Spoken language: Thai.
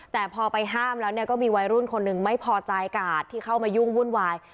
แต่พอไปห้ามแล้วก็มีวัยรุ่นคนหนึ่งไม่พอใจกาดที่เข้ามายุ่งวุ่นวาย